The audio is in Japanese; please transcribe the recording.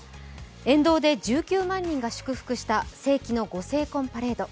沿道で１９万人が祝福した世紀のご成婚パレード。